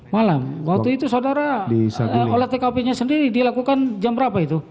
malam waktu itu saudara olah tkp nya sendiri dilakukan jam berapa itu